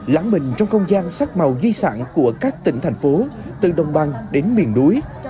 lãng mình trong không gian sắc màu di sản của các tỉnh thành phố từ đông bang đến miền núi